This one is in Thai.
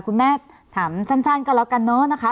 คุณแม่ถามสั้นก็แล้วกันเนอะนะคะ